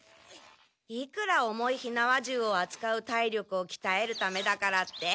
いくら重い火縄銃をあつかう体力をきたえるためだからって。